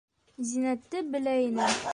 Зиннәтте белә инем.